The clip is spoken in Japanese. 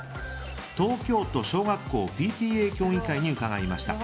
東京都小学校ＰＴＡ協議会に伺いました。